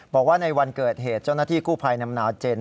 บอกว่าในวันเกิดเหตุเจ้าหน้าที่กู้ภัยนำนาวเจน